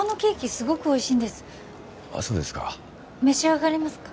すごくおいしいんですあそうですか召し上がりますか？